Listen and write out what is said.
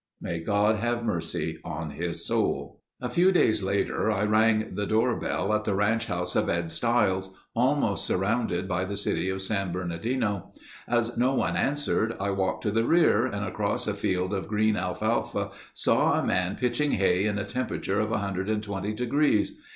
May God have mercy on his soul. A few days later I rang the doorbell at the ranch house of Ed Stiles, almost surrounded by the city of San Bernardino. As no one answered, I walked to the rear, and across a field of green alfalfa saw a man pitching hay in a temperature of 120 degrees.